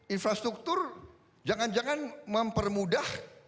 infrastruktur jangan jangan mempermudah